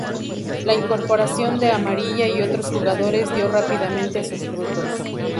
La incorporación de Amarilla y otros jugadores dio rápidamente sus frutos.